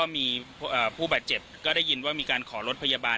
มีผู้บาดเจ็บก็ได้ยินว่ามีการขอรถพยาบาล